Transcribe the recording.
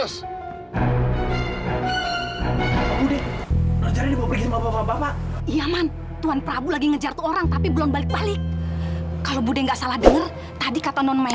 sampai jumpa di video selanjutnya